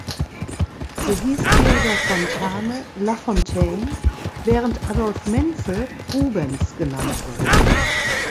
So hieß Theodor Fontane "Lafontaine", während Adolph Menzel "Rubens" genannt wurde.